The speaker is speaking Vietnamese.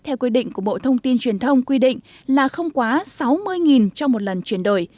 theo quy định của bộ thông tin truyền thông quy định là không quá sáu mươi cho một lần chuyển đổi